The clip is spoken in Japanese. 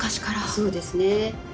そうですね。